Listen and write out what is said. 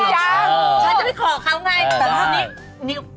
ฉันจะไปขอเค้าไง